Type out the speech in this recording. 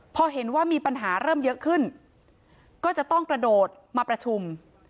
พอเห็นว่ามีปัญหาเริ่มเยอะขึ้นก็จะต้องกระโดดมาประชุม